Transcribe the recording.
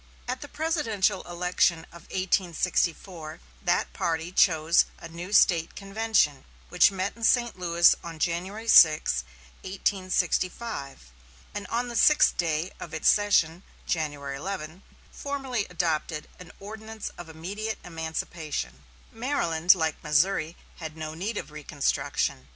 At the presidential election of 1864, that party chose a new State convention, which met in St. Louis on January 6, 1865, and on the sixth day of its session (January 11) formally adopted an ordinance of immediate emancipation. Maryland, like Missouri, had no need of reconstruction.